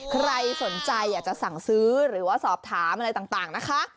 ใครสนใจอยากจะสั่งซื้อหรือว่าสอบถามอะไรต่างนะคะ